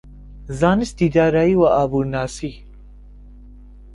زانستی دارایی و ئابوورناسی